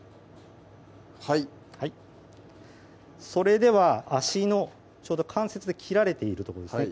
はいそれでは脚のちょうど関節で切られているとこですね